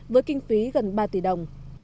với kinh phí gần ba tỷ đồng